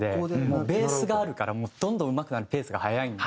もうベースがあるからどんどんうまくなるペースが早いと。